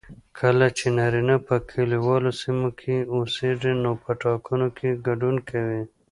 کله چې نارینه په کليوالو سیمو کې اوسیږي نو په ټاکنو کې ګډون کوي